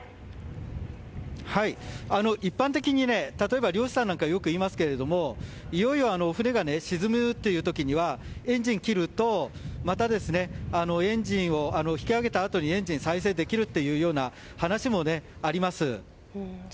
一般的に例えば漁師さんなんかよく言いますけれどもいよいよ船が沈むという時にはエンジン切ると、また引き揚げたあとにエンジンを再生できるというような話もあります。